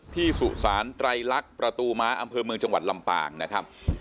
สุสานไตรลักษณ์ประตูม้าอำเภอเมืองจังหวัดลำปางนะครับ